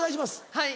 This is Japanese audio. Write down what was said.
はい。